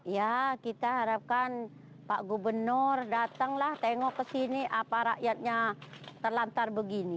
ya kita harapkan pak gubernur datanglah tengok ke sini apa rakyatnya terlantar begini